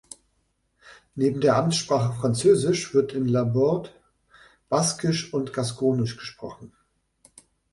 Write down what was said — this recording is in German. Neben der Amtssprache Französisch wird in Labourd Baskisch und Gaskognisch gesprochen.